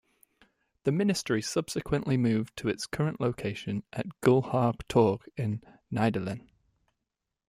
The ministry subsequently moved to its current location at Gullhaug Torg in Nydalen.